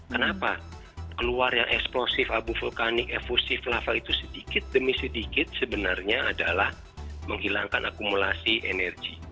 kenapa keluar yang eksplosif abu vulkanik evolusif lava itu sedikit demi sedikit sebenarnya adalah menghilangkan akumulasi energi